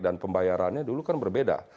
dan pembayarannya dulu kan berbeda